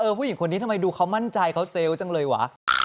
เออผู้หญิงคนนี้ทำไมดูเขามั่นใจเซวจังเลยวะ